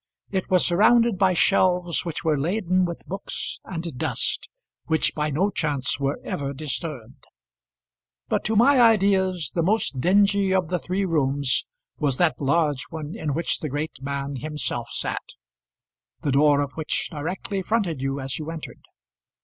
It was surrounded by shelves which were laden with books and dust, which by no chance were ever disturbed. But to my ideas the most dingy of the three rooms was that large one in which the great man himself sat; the door of which directly fronted you as you entered.